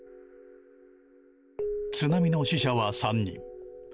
津波の死者は３人。